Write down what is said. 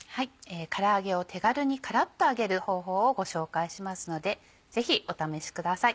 から揚げを手軽にカラっと揚げる方法をご紹介しますのでぜひお試しください。